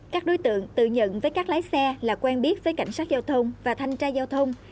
các đối tượng tự nhận với các lái xe là quen biết với cảnh sát giao thông và thanh tra giao thông